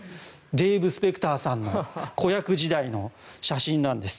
デーブ・スペクターさんの子役時代の写真です。